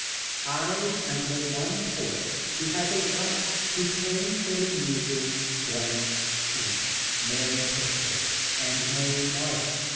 I am the one poet who has a right to claim for his muses Blanche Sweet, Mary Pickford, and Mae Marsh.